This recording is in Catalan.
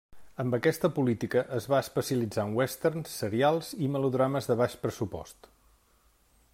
Amb aquesta política, es va especialitzar en westerns, serials i melodrames de baix pressupost.